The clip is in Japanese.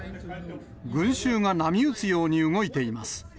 群衆が波打つように動いています。